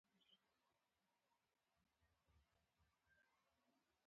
د احمد هر خبره په دلالت سره وي. له خپلې خېټې خبرې نه کوي.